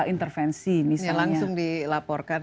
intervensi misalnya langsung dilaporkan